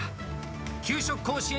「給食甲子園」